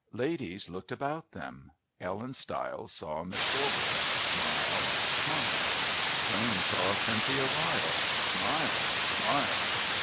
Ladies looked about them. Ellen Stiles saw Miss Dobell smile, smile. Joan saw Cynthia Ryle smile, smile.